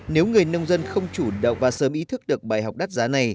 nếu người nông dân không chủ động và sớm ý thức được bài học đắt giá này